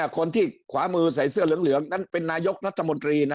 คนที่ขวามือใส่เสื้อเหลืองนั้นเป็นนายกรัฐมนตรี